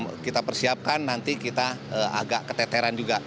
jadi kita harus siapkan nanti kita agak keteteran juga